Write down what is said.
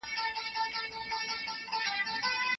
ابن خلدون مثالونه راوړي.